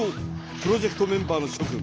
プロジェクトメンバーのしょ君。